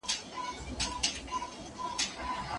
ولي د ميرمني لپاره دا سلوک مکلفيت دی؟